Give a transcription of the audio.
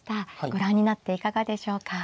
ご覧になっていかがでしょうか。